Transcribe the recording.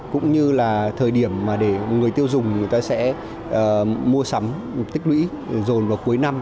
cũng như là thời điểm mà để người tiêu dùng người ta sẽ mua sắm tích lũy dồn vào cuối năm